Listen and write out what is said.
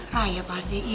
raya pasti ilfil nih